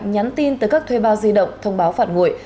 nhắn tin tới các thuê bao di động thông báo phản ngội